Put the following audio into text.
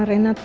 oh benar rita